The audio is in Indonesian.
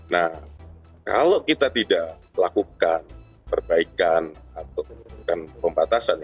nah kalau kita tidak melakukan perbaikan atau memperbatasan